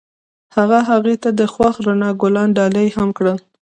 هغه هغې ته د خوښ رڼا ګلان ډالۍ هم کړل.